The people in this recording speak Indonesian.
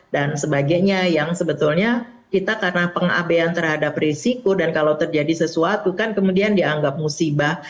dan sebagainya yang sebetulnya kita karena pengabean terhadap resiko dan kalau terjadi sesuatu kan kemudian dianggap musibah